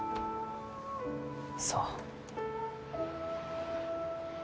そう。